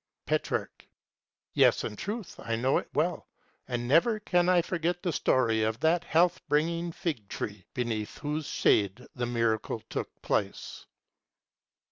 _ Petrarch. Yes, in truth I know it well, and never can I forget the story of that health bringing fig tree, beneath whose shade the miracle took place.